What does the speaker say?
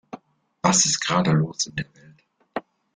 Was ist gerade los in der Welt?